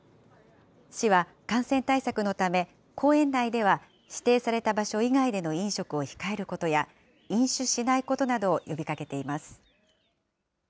市は感染対策のため、公園内では指定された場所以外での飲食を控えることや、飲酒しないことなどを呼びかけています。